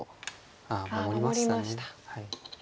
ああ守りました。